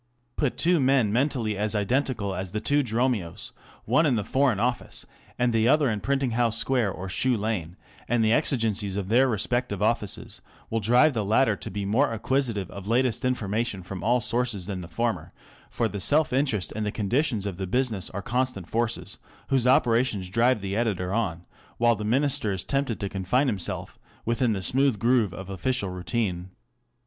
Put two men mentally as identical as the two Dromios, one in the Foreign Office and the other in Printing House Square or Shoe Lane, and the exigencies of their respective offices will drive the latter to be more acquisitive of latest information from all sources than the former, for the self interest and the conditions of the business are constant forces, whose operations drive the editor on, while the Minister is tempted to confine himself within the smooth groove of official routine.